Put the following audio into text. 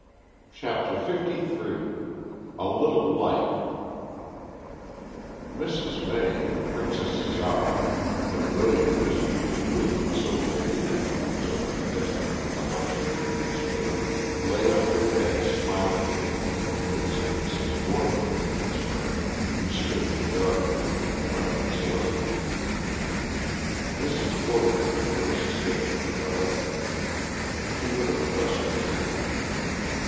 CHAPTER LIII A LITTLE LIGHT Mrs. May, Princess Zara, the brilliant mystery who wielded so great an influence over the destiny of the house of Ravenspur, lay on her bed smiling faintly in the face of Mrs. Gordon Ravenspur, who stood regarding her with friendly solicitude. Mrs. Gordon had no suspicions whatever; she would have trusted any one.